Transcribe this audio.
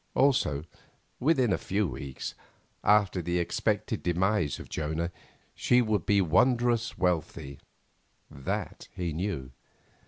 Also, within a few weeks, after the expected demise of Jonah, she would be wondrous wealthy—that he knew.